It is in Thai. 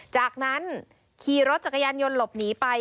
จากนั้นขี่รถจักรยานยนต์หลบหนีไป